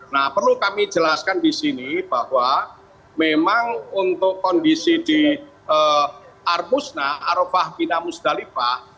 nah perlu kami jelaskan di sini bahwa memang untuk kondisi di armusna arofah bina musdalifah